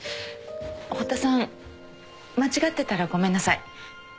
堀田さん間違ってたらごめんなさい